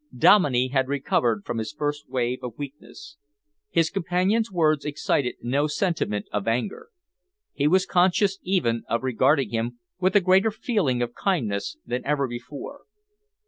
Dominey had recovered from his first wave of weakness. His companion's words excited no sentiment of anger. He was conscious even of regarding him with a greater feeling of kindness than ever before.